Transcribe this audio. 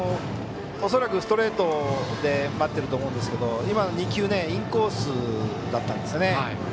恐らくストレートで待っていると思うんですけど今、２球インコースだったんですね。